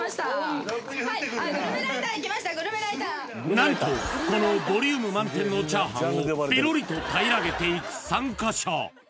何とこのボリューム満点のチャーハンをペロリとたいらげていく参加者